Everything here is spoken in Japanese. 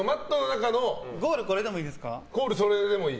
ゴールこれでもいいですか。